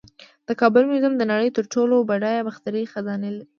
د کابل میوزیم د نړۍ تر ټولو بډایه باختري خزانې لري